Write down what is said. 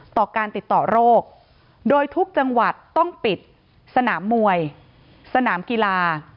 ต่อการติดต่อโรคโดยทุกจังหวัดต้องปิดสนามมวยสนามกีฬา